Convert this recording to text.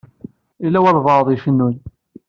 Yella walebɛaḍ i icennun.